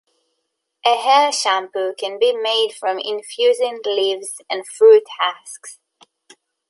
A hair shampoo can be made from infusing leaves and fruit husks.